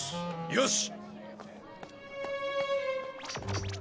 よし。